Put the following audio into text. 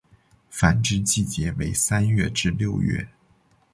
繁殖季节为三月至六月。